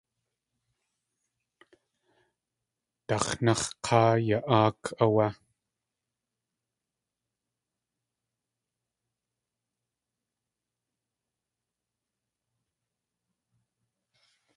Dáx̲náx̲ k̲áa ya.áak áwé.